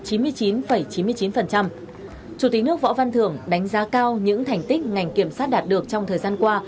chủ tịch nước võ văn thưởng đánh giá cao những thành tích ngành kiểm soát đạt được trong thời gian qua